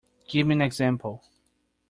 Give me an example